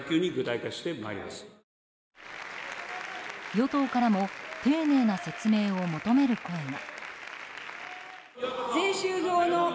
与党からも丁寧な説明を求める声が。